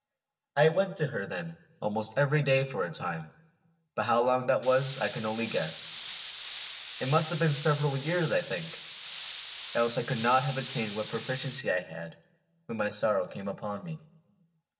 I went to her, then, almost every day for a time but how long that was, I can only guess. It must have been several years, I think, else I could not have attained what proficiency I had when my sorrow came upon me.